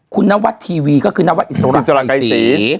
คุณนวัดทีวีก็คือนวัดอิสระรังศรี